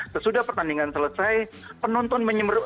sesudah pertandingan selesai penonton menyeberang